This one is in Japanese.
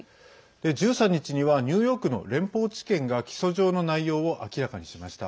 １３日にはニューヨークの連邦地検が起訴状の内容を明らかにしました。